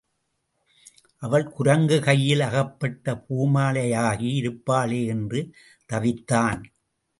அவள் குரங்கு கையில் அகப்பட்ட பூமாலையாகி இருப்பாளே என்று தவித்தான்.